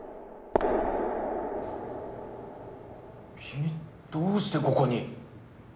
君どうしてここに？